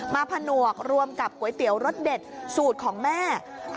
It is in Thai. ผนวกรวมกับก๋วยเตี๋ยวรสเด็ดสูตรของแม่